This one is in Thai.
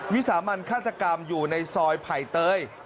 วิสามันฆาตกรรมอยู่ในซอยไผ่เตย